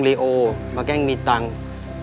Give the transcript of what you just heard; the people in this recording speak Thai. ริโอมาแกล้งมีเงิน